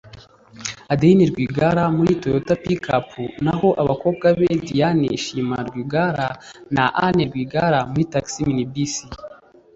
Adelinne Rwigara muri Toyota Pick up naho abakobwa be Diane Shima Rwigara na Anne Rwigara muri Taxi Minibus